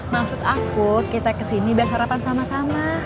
maksud aku kita kesini dan sarapan sama sama